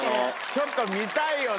ちょっと見たいよね